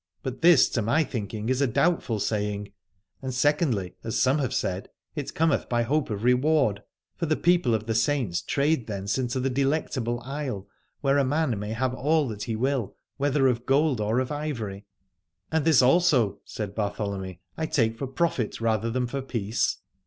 But this to my thinking is a doubtful saying. And secondly, as some have said, it cometh by hope of reward: for 147 Alad ore the people of the Saints trade thence into the Delectable Isle, where a man may have all that he will, whether of gold or ivory. And this also, said Bartholomy, I take for profit rather than for peace.